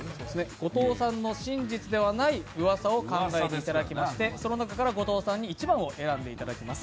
後藤さんの真実ではないうわさを考えていただいてその中から１位を選んでいただきます。